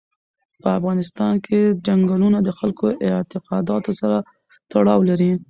په افغانستان کې چنګلونه د خلکو د اعتقاداتو سره تړاو لري.